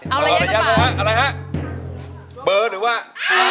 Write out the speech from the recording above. เอาอะไรยัดกระเป๋า